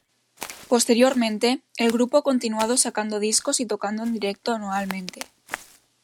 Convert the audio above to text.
Posteriormente, el grupo ha continuado sacando discos y tocando en directo anualmente.